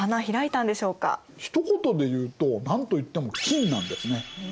ひと言でいうとなんといっても金なんですね。